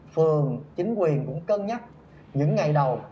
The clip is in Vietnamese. phường chính quyền cũng cân nhắc những ngày đầu